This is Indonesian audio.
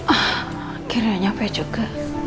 akhirnya nyampe juga